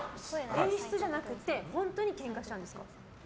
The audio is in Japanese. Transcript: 演出じゃなくて本当にケンカしたんですか？